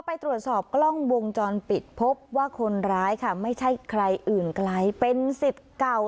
ไปตรวจสอบกล้องวงจรปิดพบว่าคนร้ายค่ะไม่ใช่ใครอื่นไกลเป็นสิทธิ์เก่า